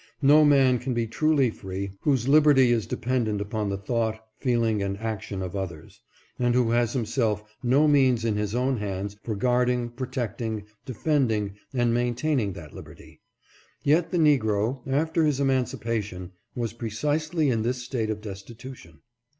No man can be truly free whose liberty is de pendent upon the thought, feeling, and action of others, and who has himself no means in his own hands for guarding, protecting, defending, and maintaining that lib erty. Yet the Negro, after his emancipation, was precisely in this state of destitution.